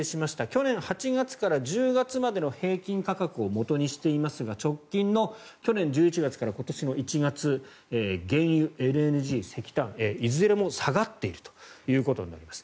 去年８月から１０月までの平均価格をもとにしていますが直近の去年１１月から今年の１月原油、ＬＮＧ、石炭いずれも下がっているということになります。